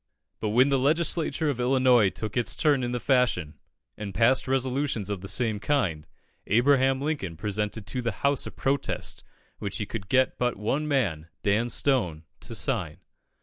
But when the Legislature of Illinois took its turn in the fashion, and passed resolutions of the same kind, Abraham Lincoln presented to the House a protest which he could get but one man, Dan Stone, to sign.